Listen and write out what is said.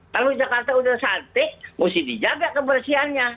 kalau jakarta udah cantik mesti dijaga kebersihannya